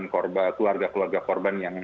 keluarga keluarga korban yang